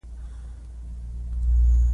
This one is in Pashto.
هیڅ وخت یې تر پنځه سوه دیناره کم بخشش نه کاوه.